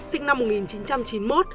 sinh năm một nghìn chín trăm chín mươi một